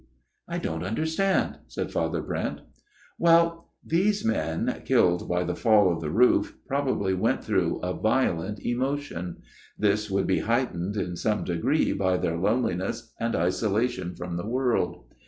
" I don't understand," said Father Brent. " Well ; these men, killed by the fall of the roof, probably went through a violent emotion. This would be heightened in some degree by their loneliness and isolation from the world.